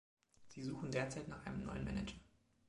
Sie suchen derzeit nach einem neuen Manager.